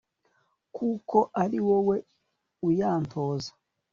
kuko ari wowe uyantoza